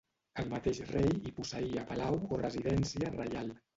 El mateix rei hi posseïa palau o residència reial.